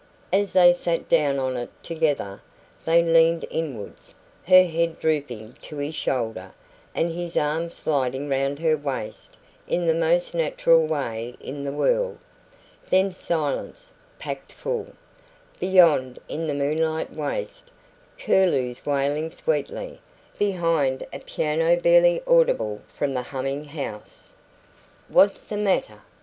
As they sat down on it together, they leaned inwards, her head drooping to his shoulder, and his arm sliding round her waist in the most natural way in the world. Then silence, packed full. Beyond, in the moonlit waste, curlews wailing sweetly; behind, a piano barely audible from the humming house.... "What's the matter?"